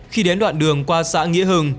khi đến đoạn đường qua xã nghĩa hừng